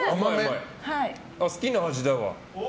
好きな味だわ。